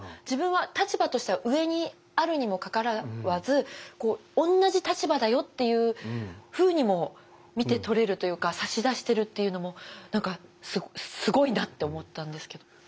自分は立場としては上にあるにもかかわらずおんなじ立場だよっていうふうにも見て取れるというか差し出してるっていうのも何かすごいなと思ったんですけど。